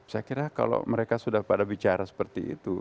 saya kira kalau mereka sudah pada bicara seperti itu